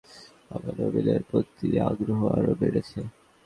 একটি নাটকে অভিনয় করার পরই আমার অভিনয়ের প্রতি আগ্রহ আরও বেড়েছে।